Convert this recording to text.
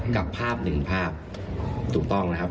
กับภาพหนึ่งภาพถูกต้องนะครับ